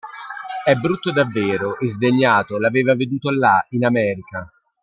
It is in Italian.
È brutto davvero e sdegnato l'aveva veduto là, in America.